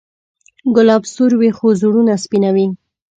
ګلاب سور وي، خو زړونه سپینوي.